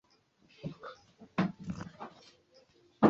wakati vyombo vya habari vinamilikiwa na serikali